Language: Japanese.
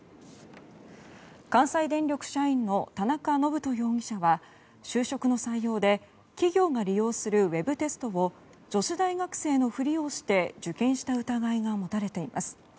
関西電力社員の田中信人容疑者は就職の採用で企業が利用するウェブテストを女子大学生のふりをして受験した疑いが持たれています。